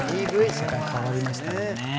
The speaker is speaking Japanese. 世界が変わりましたよね。